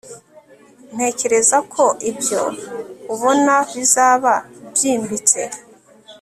ntekereza ko ibyo ubona bizaba byimbitse